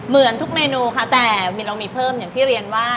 เหมือนทุกเมนูค่ะแต่เรามีเพิ่มอย่างที่เรียนว่า